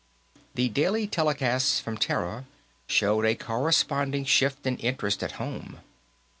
The daily newscasts from Terra showed a corresponding shift in interest at home.